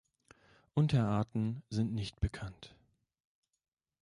Unterarten sind nicht bekannt.